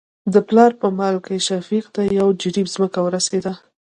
د پلار په مال کې شفيق ته يو جرېب ځمکه ورسېده.